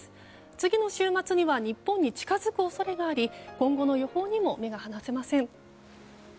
次の週末には日本に近づく恐れがあり今後の予報にも目が離せません。